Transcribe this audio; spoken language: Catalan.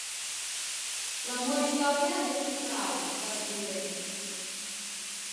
"La meva història és un frau", va escriure.